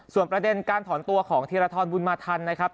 ส่วนประเด็นการถอนตัวของธีรทรบุญมาทันนะครับ